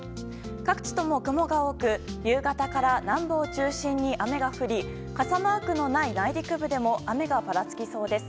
各地とも雲が多く夕方から南部を中心に雨が降り傘マークのない内陸部でも雨がぱらつきそうです。